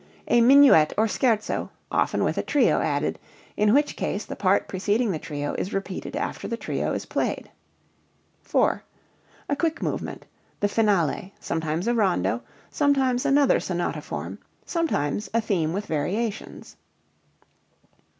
A minuet or scherzo, often with a trio added, in which case the part preceding the trio is repeated after the trio is played. 4. A quick movement the finale, sometimes a rondo, sometimes another sonata form, sometimes a theme with variations.